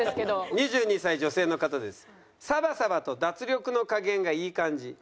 ２２歳女性の方です。